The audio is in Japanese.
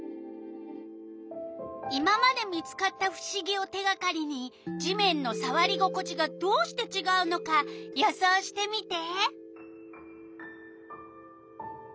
今まで見つかったふしぎを手がかりに地面のさわり心地がどうしてちがうのか予想してみて！